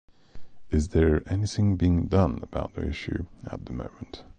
Is there anything being done about the issue at the moment?